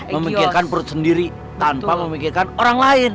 memikirkan perut sendiri tanpa memikirkan orang lain